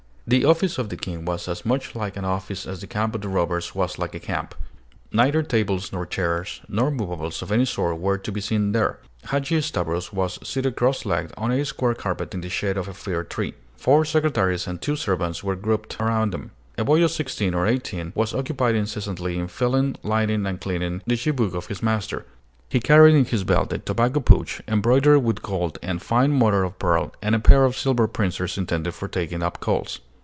The office of the King was as much like an office as the camp of the robbers was like a camp. Neither tables nor chairs nor movables of any sort were to be seen there. Hadgi Stavros was seated cross legged on a square carpet in the shade of a fir tree. Four secretaries and two servants were grouped around him. A boy of sixteen or eighteen was occupied incessantly in filling, lighting, and cleaning the chibouk of his master. He carried in his belt a tobacco pouch, embroidered with gold and fine mother of pearl, and a pair of silver pincers intended for taking up coals.